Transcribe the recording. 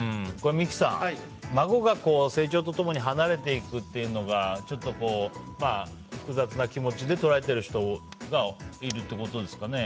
三木さん、孫が成長と共に離れていくというのがちょっと複雑な気持ちで捉えてる人がいるってことですかね。